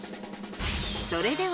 それでは。